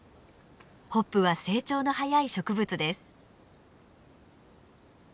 ホップは成長の速い植物です。